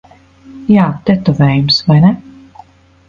Jā, tetovējums. Vai ne?